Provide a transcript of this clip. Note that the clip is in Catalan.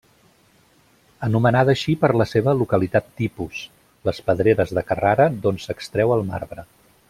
Anomenada així per la seva localitat tipus: les pedreres de Carrara d’on s’extreu el marbre.